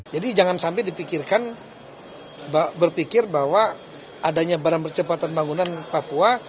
jadi jangan sampai dipikirkan berpikir bahwa adanya barang percepatan bangunan papua